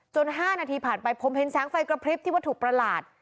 ๕นาทีผ่านไปผมเห็นแสงไฟกระพริบที่วัตถุประหลาด